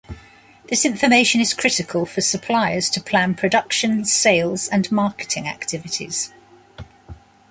This information is critical for suppliers to plan production, sales and marketing activities.